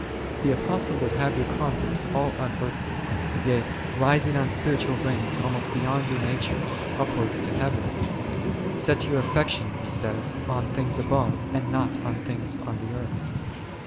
The Apostle would have your con verse all unearthly, yea, rising on spiritual wings almost beyond your nature, upwards to Heaven ; Set your affection, he says, on things above, and not on things on the earth.